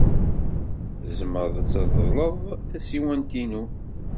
Tzemred ad treḍled tasiwant-inu.